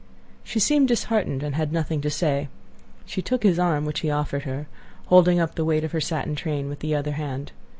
She seemed disheartened, and had nothing to say. She took his arm, which he offered her, holding up the weight of her satin train with the other hand.